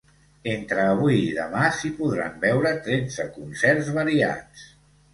Entre avui i demà s’hi podran veure tretze concerts variats.